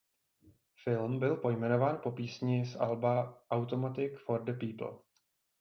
Film byl pojmenován po písni z alba "Automatic for the People".